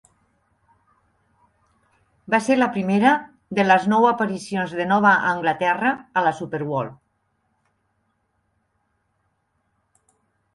Va ser la primera de les nou aparicions de Nova Anglaterra a la Super Bowl.